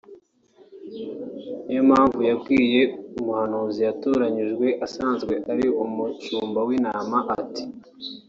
niyo mpamvu yabwiye umuhanuzi yatoranyije asanzwe ari umushumba w’intama iti